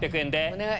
お願い！